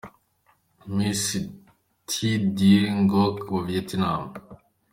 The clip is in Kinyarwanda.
Miss Thi Dieu ngoc wa Vietnam.